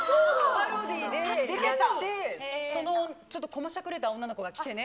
パロディーで出てて、そのちょっとこましゃくれた女の子が来てね。